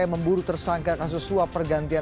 yang memburu tersangka kasus suap pergantian